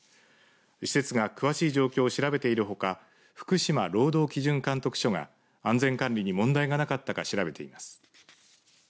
施設が詳しい状況を調べているほか福島労働基準監督署が安全管理に問題がなかったか調べています。